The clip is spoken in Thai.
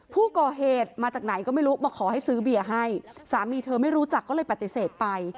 ผู้ก่อเหตุมาจากไหนก็ไม่รู้มาขอให้ซื้อเบียร์ให้สามีเธอไม่รู้จักก็เลยปฏิเสธไป